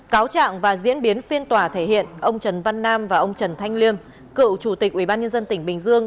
cáo trạng và diễn biến phiên tòa thể hiện ông trần văn nam và ông trần thanh liêm cựu chủ tịch ubnd tỉnh bình dương